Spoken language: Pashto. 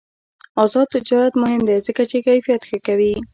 آزاد تجارت مهم دی ځکه چې کیفیت ښه کوي.